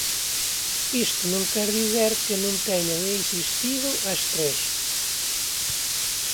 Isto non quere dicir que non teñan existido as tres.